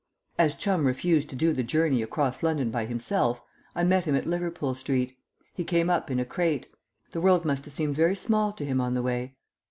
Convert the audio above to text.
As Chum refused to do the journey across London by himself, I met him at Liverpool Street. He came up in a crate; the world must have seemed very small to him on the way.